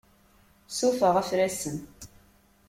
Sufeɣ afrasen.